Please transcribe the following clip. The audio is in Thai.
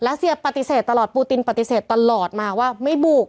เซียปฏิเสธตลอดปูตินปฏิเสธตลอดมาว่าไม่บุก